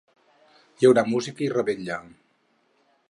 Hi haurà música i revetlla.